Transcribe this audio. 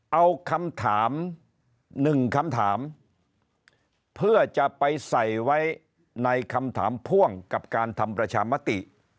เอาคำถามหนึ่งคำถามเพื่อจะไปใส่ไว้ในคำถามพ่วงกับการทำประชามติ